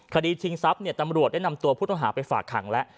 ชิงทรัพย์ตำรวจได้นำตัวผู้ต้องหาไปฝากขังแล้ว